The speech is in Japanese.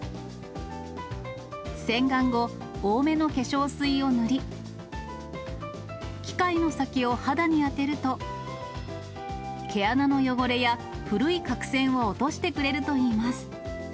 洗顔後、多めの化粧水を塗り、機械の先を肌に当てると、毛穴の汚れや古い角栓を落としてくれるといいます。